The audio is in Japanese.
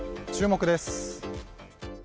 注目です。